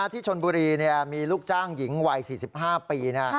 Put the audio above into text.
ที่ชนบุรีมีลูกจ้างหญิงวัย๔๕ปี